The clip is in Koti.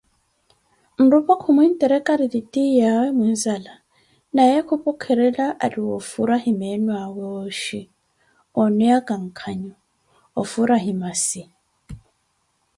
Nrupah khumintirikari titiyawe muinzala, naye kupwekerela ari wofuraye meenoawe oshi oneyaka nkanho, ofurahi maasi